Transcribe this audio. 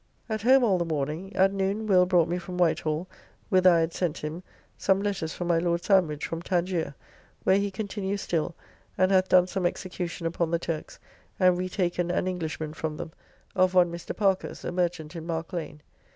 At home all the morning; at noon Will brought me from Whitehall, whither I had sent him, some letters from my Lord Sandwich, from Tangier; where he continues still, and hath done some execution upon the Turks, and retaken an Englishman from them, of one Mr. Parker's, a merchant in Marke lane.